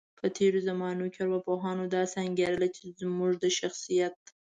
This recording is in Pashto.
په تیرو زمانو کې ارواپوهانو داسې انګیرله، چی موږ د شخصیت